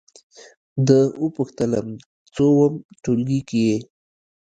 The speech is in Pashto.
ده وپوښتلم: څووم ټولګي کې یې؟